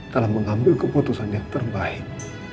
telah mengambil keputusan yang terbaik